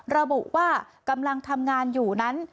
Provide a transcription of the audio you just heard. ระบุว่ากำลังทำงานอยู่นั้น